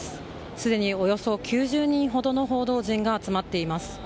すでにおよそ９０人ほどの報道陣が集まっています。